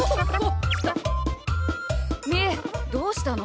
みーどうしたの？